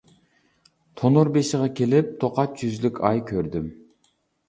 تونۇر بېشىغا كېلىپ، توقاچ يۈزلۈك ئاي كۆردۈم.